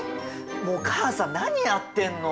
もう母さん何やってんの！